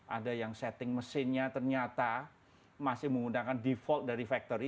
ada yang setting mesinnya ternyata masih menggunakan default dari factory